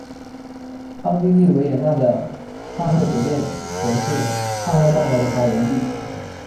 奥地利维也纳的萨赫酒店则是萨赫蛋糕的发源地。